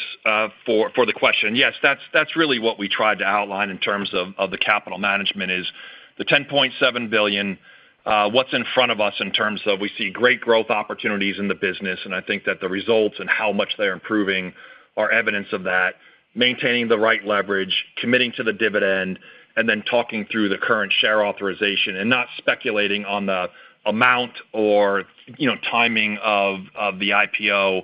for the question. Yes, that's really what we tried to outline in terms of the capital management is the $10.7 billion what's in front of us in terms of we see great growth opportunities in the business, and I think that the results and how much they're improving are evidence of that, maintaining the right leverage, committing to the dividend, and then talking through the current share authorization and not speculating on the amount or, you know, timing of the IPO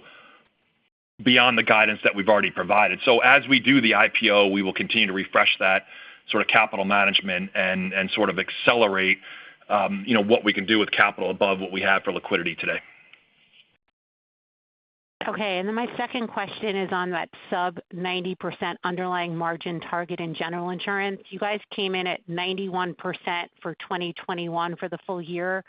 beyond the guidance that we've already provided. As we do the IPO, we will continue to refresh that sort of capital management and sort of accelerate, you know, what we can do with capital above what we have for liquidity today. Okay. Then my second question is on that sub 90% underlying margin target in General Insurance. You guys came in at 91% for 2021 for the full year.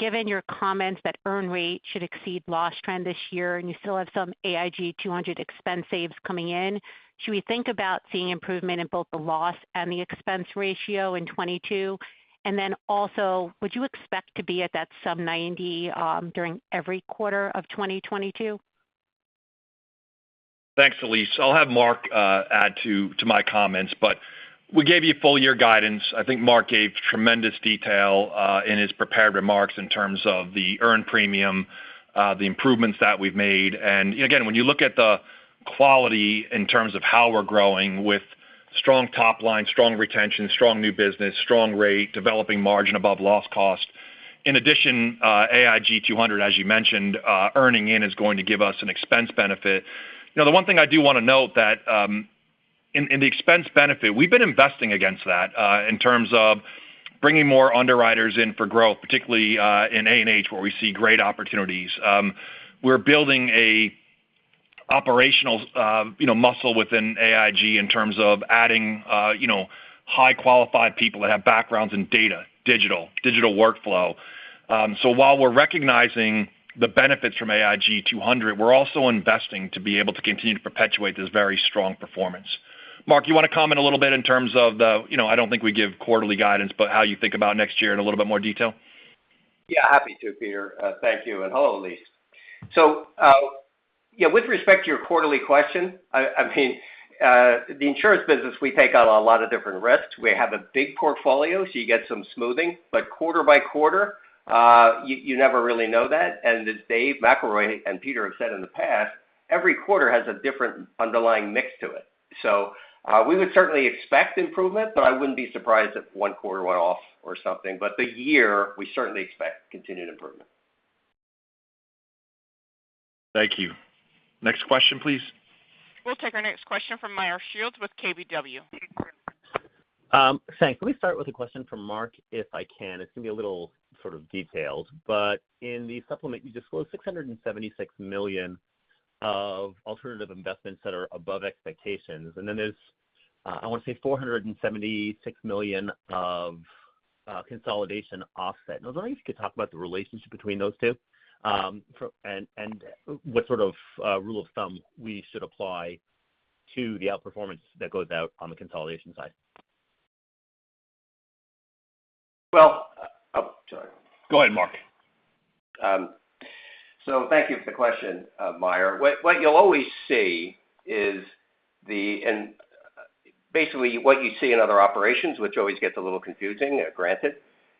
Given your comments that earn rate should exceed loss trend this year, and you still have some AIG200 expense saves coming in, should we think about seeing improvement in both the loss and the expense ratio in 2022? Would you expect to be at that sub 90% during every quarter of 2022? Thanks, Elyse. I'll have Mark add to my comments, but we gave you full year guidance. I think Mark gave tremendous detail in his prepared remarks in terms of the earned premium, the improvements that we've made. Again, when you look at the quality in terms of how we're growing with strong top line, strong retention, strong new business, strong rate, developing margin above loss cost. In addition, AIG200, as you mentioned, earning in is going to give us an expense benefit. You know, the one thing I do want to note that in the expense benefit, we've been investing against that in terms of bringing more underwriters in for growth, particularly in A&H, where we see great opportunities. We're building an operational, you know, muscle within AIG in terms of adding, you know, highly qualified people that have backgrounds in data, digital workflow. While we're recognizing the benefits from AIG200, we're also investing to be able to continue to perpetuate this very strong performance. Mark, you want to comment a little bit in terms of the, you know, I don't think we give quarterly guidance, but how you think about next year in a little bit more detail? Yeah, happy to, Peter. Thank you. Hello, Elyse. Yeah, with respect to your quarterly question, I mean, the insurance business, we take on a lot of different risks. We have a big portfolio, so you get some smoothing. Quarter by quarter, you never really know that. As Dave McElroy and Peter have said in the past, every quarter has a different underlying mix to it. We would certainly expect improvement, but I wouldn't be surprised if one quarter went off or something. The year, we certainly expect continued improvement. Thank you. Next question, please. We'll take our next question from Meyer Shields with KBW. Thanks. Let me start with a question from Mark, if I can. It's going to be a little sort of detailed, but in the supplement, you disclose $676 million of alternative investments that are above expectations. Then there's, I want to say $476 million of, consolidation offset. I was wondering if you could talk about the relationship between those two, and what sort of, rule of thumb we should apply to the outperformance that goes out on the consolidation side. Well, sorry. Go ahead, Mark. Thank you for the question, Meyer. What you'll always see is basically what you see in other operations, which always gets a little confusing, granted,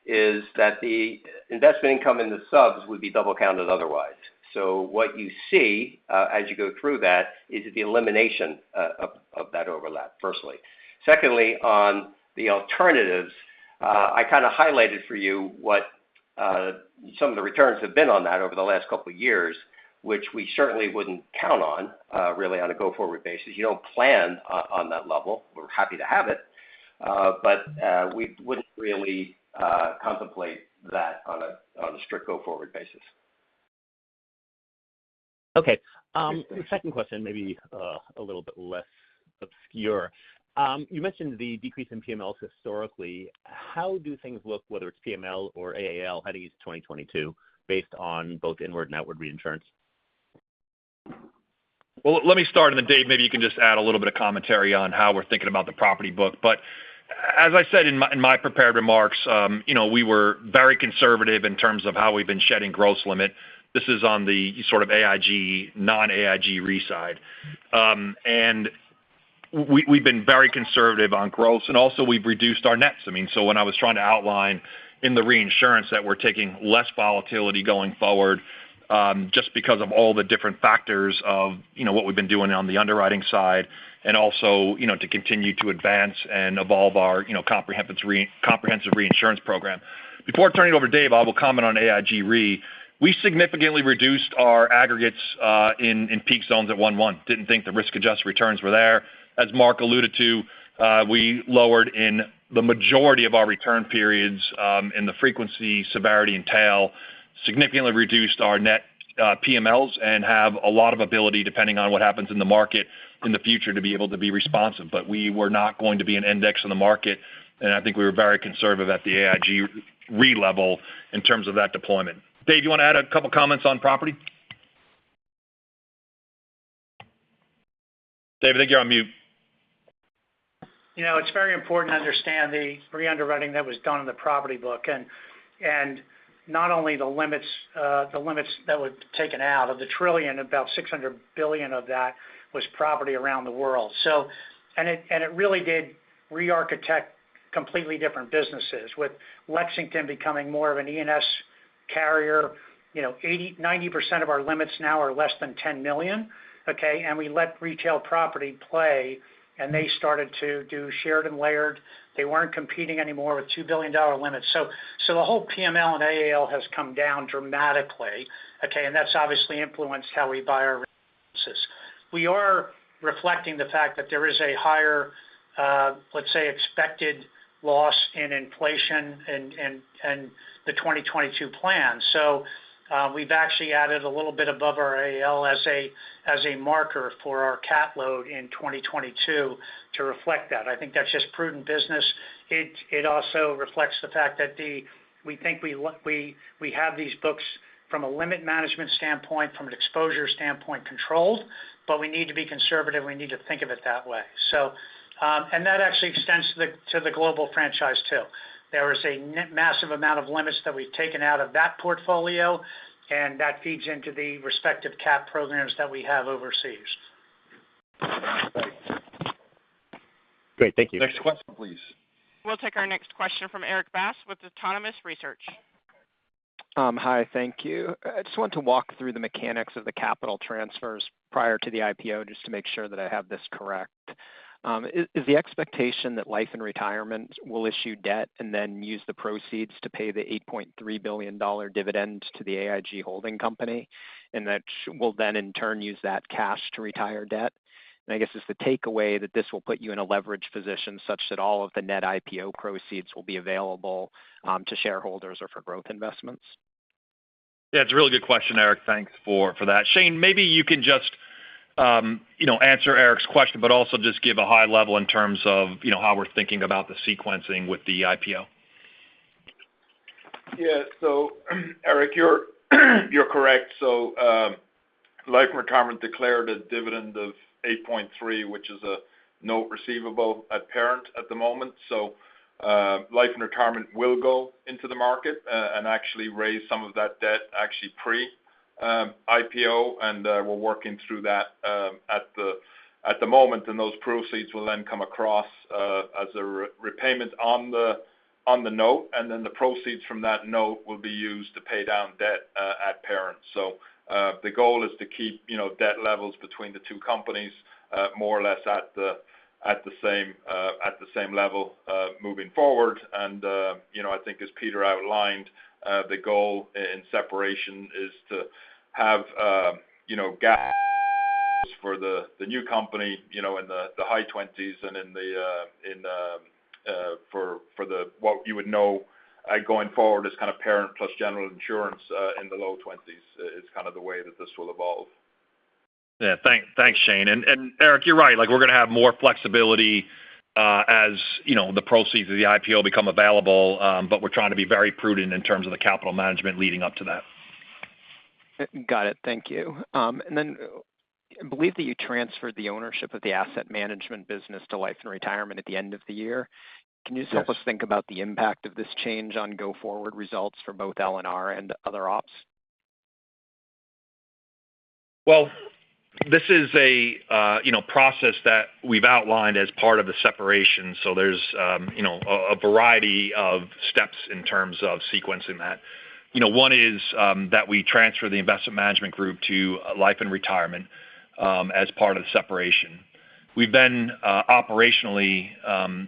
is that the investment income in the subs would be double counted otherwise. What you see, as you go through that, is the elimination of that overlap, firstly. Secondly, on the alternatives, I kind of highlighted for you what some of the returns have been on that over the last couple of years, which we certainly wouldn't count on, really on a go-forward basis. You don't plan on that level. We're happy to have it, but we wouldn't really contemplate that on a strict go-forward basis. Okay. The second question may be a little bit less obscure. You mentioned the decrease in PMLs historically. How do things look, whether it's PML or AAL, heading into 2022 based on both inward and outward reinsurance? Well, let me start, and then Dave, maybe you can just add a little bit of commentary on how we're thinking about the property book. As I said in my prepared remarks, you know, we were very conservative in terms of how we've been shedding gross limit. This is on the sort of AIG, non-AIG Re side. We've been very conservative on gross, and also we've reduced our nets. I mean, so when I was trying to outline in the reinsurance that we're taking less volatility going forward, just because of all the different factors of, you know, what we've been doing on the underwriting side and also, you know, to continue to advance and evolve our, you know, comprehensive reinsurance program. Before turning it over to Dave, I will comment on AIG Re. We significantly reduced our aggregates in peak zones at 1:1. Didn't think the risk-adjusted returns were there. As Mark alluded to, we lowered in the majority of our return periods in the frequency, severity, and tail. Significantly reduced our net PMLs and have a lot of ability depending on what happens in the market in the future to be able to be responsive. We were not going to be an index in the market, and I think we were very conservative at the AIG Re level in terms of that deployment. Dave, you want to add a couple of comments on property? Dave, I think you're on mute. You know, it's very important to understand the re-underwriting that was done in the property book. Not only the limits that were taken out. Of the $1 trillion, about $600 billion of that was property around the world. It really did rearchitect completely different businesses, with Lexington becoming more of an E&S carrier. You know, 80%-90% of our limits now are less than $10 million, okay? We let retail property play, and they started to do shared and layered. They weren't competing anymore with $2 billion limits. The whole PML and AAL has come down dramatically, okay? That's obviously influenced how we buy our- Great. We are reflecting the fact that there is a higher, let's say, expected loss in inflation than in the 2022 plan. So we've actually added a little bit above our ALSA as a marker for our Cat Load in 2022 to reflect that. I think that's just prudent business. It also reflects the fact that we think we have these books from a limit management standpoint, from an exposure standpoint control, but we need to be conservative and we need to think of it that way. So, and that actually extends to the global franchise. So there was a massive amount of limits that we take out of that portfolio, and that future activity in respective cat programs that we have overseas. Next question, please. We'll take our next question from Erik Bass with Autonomous Research. Hi, thank you. I just want to walk through the mechanics of the capital transfers prior to the IPO just to make sure that I have this correct. Is the expectation that Life and Retirement will issue debt and then use the proceeds to pay the $8.3 billion dividend to the AIG holding company? And that will then in turn use that cash to retire debt? I guess is the takeaway that this will put you in a leverage position such that all of the net IPO proceeds will be available to shareholders or for growth investments? Yeah, it's a really good question, Erik. Thanks for that. Shane, maybe you can just, you know, answer Erik's question, but also just give a high level in terms of, you know, how we're thinking about the sequencing with the IPO. Yeah. Erik Bass, you're correct. Life and Retirement declared a dividend of $8.3, which is a note receivable at parent at the moment. Life and Retirement will go into the market and actually raise some of that debt actually pre-IPO. We're working through that at the moment. Those proceeds will then come across as a repayment on the note, and then the proceeds from that note will be used to pay down debt at parent. The goal is to keep, you know, debt levels between the two companies more or less at the same level moving forward. I think as Peter outlined, the goal in separation is to have, you know, gaps for the new company, you know, in the high-20s and for what you would know going forward as kind of parent plus General Insurance in the low-20s is kind of the way that this will evolve. Yeah. Thanks, Shane. Erik, you're right. Like, we're going to have more flexibility, as you know, the proceeds of the IPO become available, but we're trying to be very prudent in terms of the capital management leading up to that. Got it. Thank you. I believe that you transferred the ownership of the asset management business to Life and Retirement at the end of the year. Yes. Can you just help us think about the impact of this change on go-forward results for both L&R and other ops? Well, this is a, you know, process that we've outlined as part of the separation. There's, you know, a variety of steps in terms of sequencing that. You know, one is that we transfer the Investment Management Group to Life and Retirement, as part of the separation. We've been, operationally,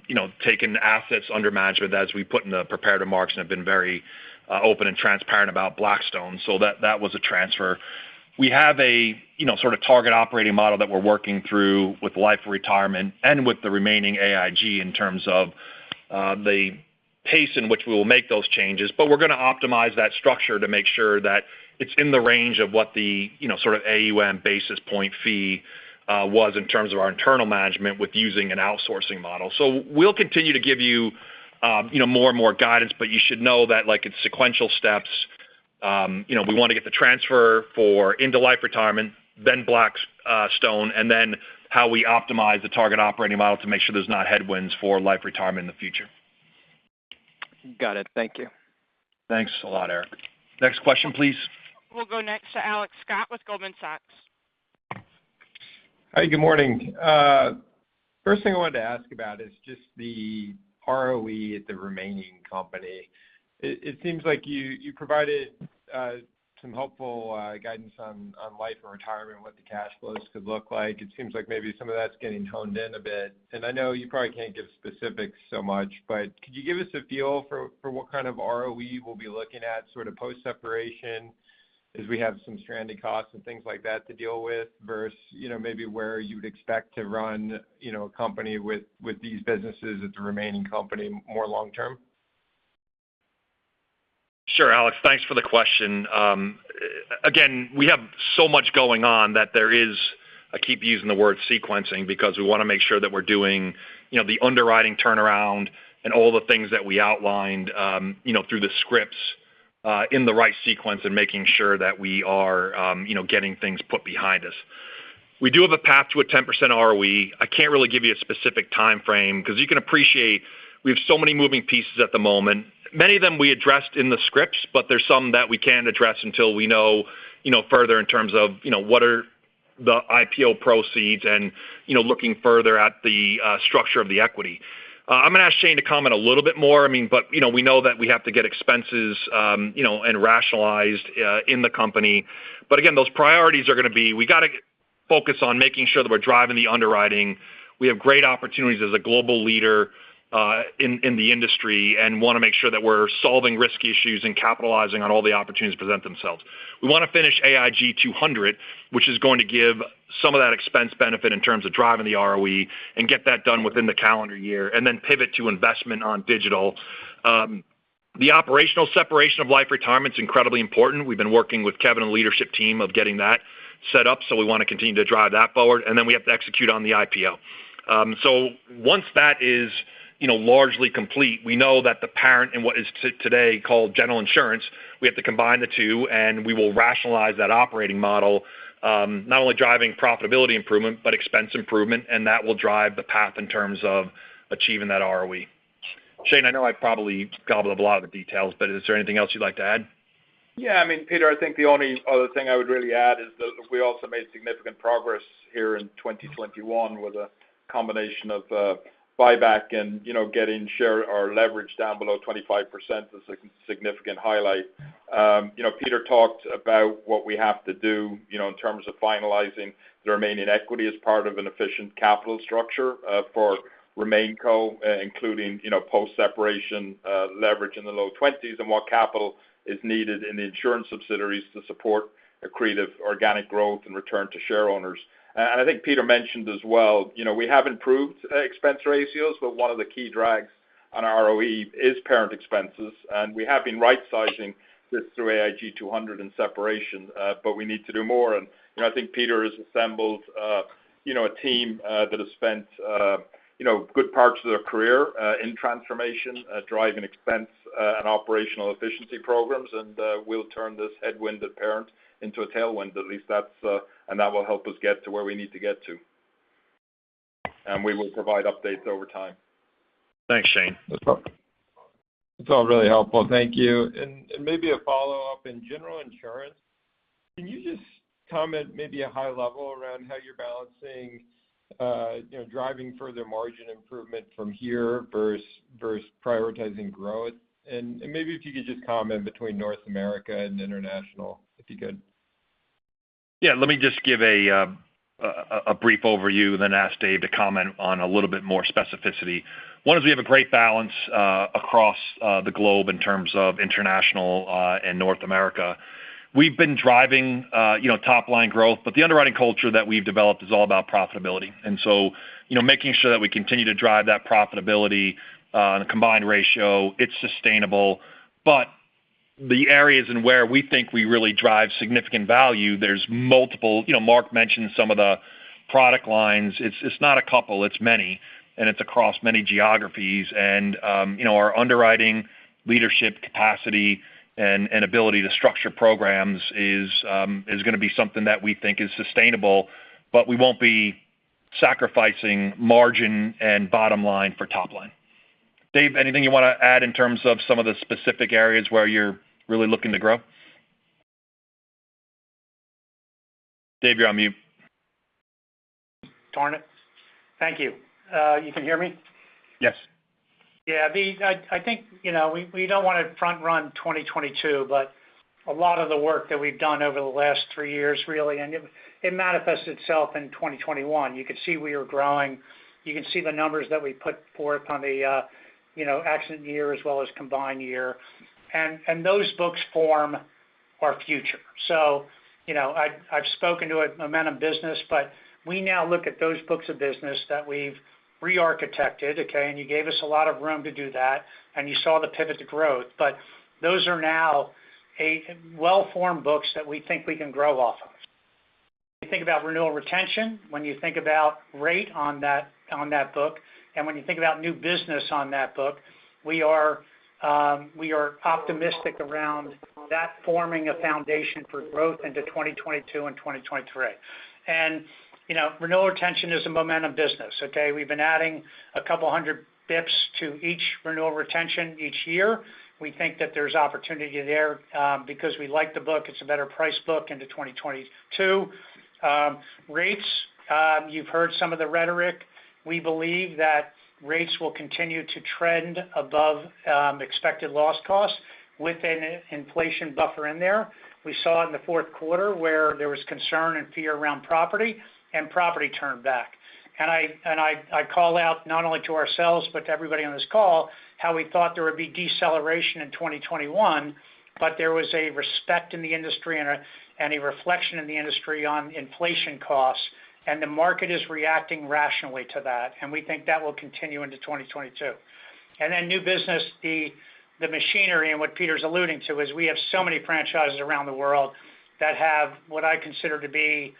you know, taking assets under management as we put in the prepared remarks and have been very, open and transparent about Blackstone. That was a transfer. We have a, you know, sort of target operating model that we're working through with Life and Retirement and with the remaining AIG in terms of, the pace in which we will make those changes. We're going to optimize that structure to make sure that it's in the range of what the, you know, sort of AUM basis point fee was in terms of our internal management with using an outsourcing model. We'll continue to give you know, more and more guidance, but you should know that like it's sequential steps. You know, we want to get the transfer for into Life Retirement, then Blackstone, and then how we optimize the target operating model to make sure there's not headwinds for Life Retirement in the future. Got it. Thank you. Thanks a lot, Erik. Next question, please. We'll go next to Alex Scott with Goldman Sachs. Hi, good morning. First thing I wanted to ask about is just the ROE at the remaining company. It seems like you provided some helpful guidance on Life and Retirement, what the cash flows could look like. It seems like maybe some of that's getting honed in a bit. I know you probably can't give specifics so much, but could you give us a feel for what kind of ROE we'll be looking at sort of post-separation? As we have some stranded costs and things like that to deal with versus, you know, maybe where you'd expect to run, you know, a company with these businesses at the remaining company more long term. Sure, Alex, thanks for the question. Again, we have so much going on that there is, I keep using the word sequencing because we want to make sure that we're doing, you know, the underwriting turnaround and all the things that we outlined, you know, through the scripts, in the right sequence and making sure that we are, you know, getting things put behind us. We do have a path to a 10% ROE. I can't really give you a specific timeframe because you can appreciate we have so many moving pieces at the moment. Many of them we addressed in the scripts, but there's some that we can't address until we know, you know, further in terms of, you know, what are the IPO proceeds and, you know, looking further at the, structure of the equity. I'm going to ask Shane to comment a little bit more. I mean, you know, we know that we have to get expenses, you know, and rationalized in the company. Again, those priorities are going to be, we got to focus on making sure that we're driving the underwriting. We have great opportunities as a global leader in the industry and want to make sure that we're solving risk issues and capitalizing on all the opportunities that present themselves. We want to finish AIG 200, which is going to give some of that expense benefit in terms of driving the ROE and get that done within the calendar year, and then pivot to investment on digital. The operational separation of Life & Retirement is incredibly important. We've been working with Kevin and leadership team of getting that set up, so we want to continue to drive that forward. Then we have to execute on the IPO. Once that is, you know, largely complete, we know that the parent and what is today called General Insurance, we have to combine the two, and we will rationalize that operating model, not only driving profitability improvement, but expense improvement, and that will drive the path in terms of achieving that ROE. Shane, I know I probably gobbled a lot of the details, but is there anything else you'd like to add? Yeah. I mean, Peter, I think the only other thing I would really add is that we also made significant progress here in 2021 with a combination of buyback and, you know, getting share or leverage down below 25% is a significant highlight. You know, Peter talked about what we have to do, you know, in terms of finalizing the remaining equity as part of an efficient capital structure for RemainCo, including, you know, post-separation leverage in the low-20s and what capital is needed in the insurance subsidiaries to support accretive organic growth and return to shareowners. I think Peter mentioned as well, you know, we have improved expense ratios, but one of the key drags on our ROE is parent expenses. We have been rightsizing this through AIG 200 and separation, but we need to do more. You know, I think Peter has assembled, you know, a team that has spent, you know, good parts of their career in transformation, driving expense and operational efficiency programs. We'll turn this headwind at parent into a tailwind, at least that's, and that will help us get to where we need to get to. We will provide updates over time. Thanks, Shane. It's all really helpful. Thank you. Maybe a follow-up. In General Insurance, can you just comment maybe a high level around how you're balancing, you know, driving further margin improvement from here versus prioritizing growth? Maybe if you could just comment between North America and International, if you could. Yeah. Let me just give a brief overview, then ask Dave to comment on a little bit more specificity. One is we have a great balance across the globe in terms of international and North America. We've been driving you know top-line growth, but the underwriting culture that we've developed is all about profitability. You know, making sure that we continue to drive that profitability in a combined ratio, it's sustainable. The areas in where we think we really drive significant value, there's multiple. You know, Mark mentioned some of the product lines. It's not a couple, it's many, and it's across many geographies. You know, our underwriting leadership capacity and ability to structure programs is going to be something that we think is sustainable, but we won't be sacrificing margin and bottom line for top line. Dave, anything you want to add in terms of some of the specific areas where you're really looking to grow? Dave, you're on mute. Darn it. Thank you. You can hear me? Yes. Yeah. I think, you know, we don't want to front run 2022, but a lot of the work that we've done over the last three years, really, and it manifests itself in 2021. You could see we are growing. You can see the numbers that we put forth on the, you know, accident year as well as combined year. Those books form our future. You know, I've spoken to a momentum business, but we now look at those books of business that we've rearchitected, okay? You gave us a lot of room to do that, and you saw the pivot to growth. Those are now a well-formed books that we think we can grow off of. You think about renewal retention, when you think about rate on that book, and when you think about new business on that book, we are optimistic around that forming a foundation for growth into 2022 and 2023. You know, renewal retention is a momentum business, okay? We've been adding 200 basis points to each renewal retention each year. We think that there's opportunity there, because we like the book, it's a better price book into 2022. Rates, you've heard some of the rhetoric. We believe that rates will continue to trend above expected loss costs with an inflation buffer in there. We saw it in the fourth quarter where there was concern and fear around property, and property turned back. I call out not only to ourselves, but to everybody on this call, how we thought there would be deceleration in 2021, but there was a respite in the industry and a reflection in the industry on inflation costs and the market is reacting rationally to that. We think that will continue into 2022. Then new business, the machinery and what Peter's alluding to is we have so many franchises around the world that have what I consider to be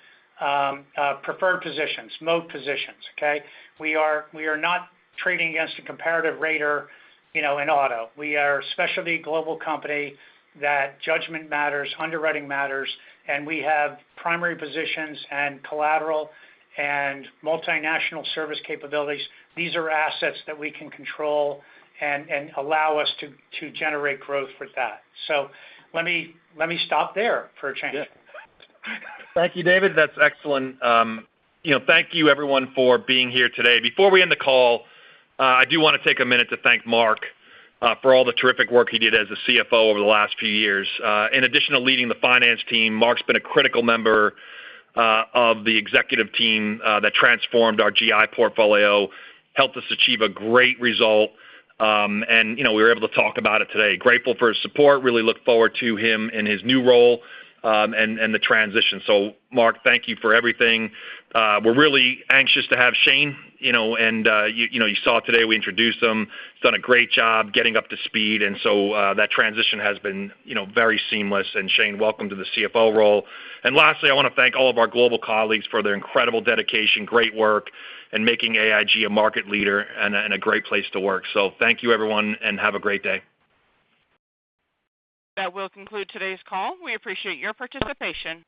preferred positions, moat positions, okay? We are not trading against a comparative rater, you know, in auto. We are a specialty global company that judgment matters, underwriting matters, and we have primary positions and collateral and multinational service capabilities. These are assets that we can control and allow us to generate growth with that. Let me stop there for a change. Yeah. Thank you, David. That's excellent. You know, thank you everyone for being here today. Before we end the call, I do want to take a minute to thank Mark for all the terrific work he did as a CFO over the last few years. In addition to leading the finance team, Mark's been a critical member of the executive team that transformed our GI portfolio, helped us achieve a great result, and you know, we were able to talk about it today. Grateful for his support, really look forward to him in his new role, and the transition. Mark, thank you for everything. We're really anxious to have Shane, you know, and you know you saw today we introduced him. He's done a great job getting up to speed and so, that transition has been, you know, very seamless. Shane, welcome to the CFO role. Lastly, I want to thank all of our global colleagues for their incredible dedication, great work, and making AIG a market leader and a great place to work. Thank you everyone, and have a great day. That will conclude today's call. We appreciate your participation.